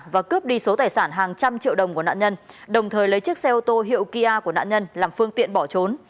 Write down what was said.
và cướp đi số tài sản hàng trăm triệu đồng của nạn nhân đồng thời lấy chiếc xe ô tô hiệu kia của nạn nhân làm phương tiện bỏ trốn